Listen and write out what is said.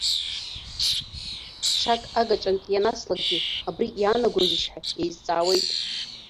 Ԥшак агаҿантә ианаслакгьы абри иаанагозеишь ҳәа еизҵаауеит.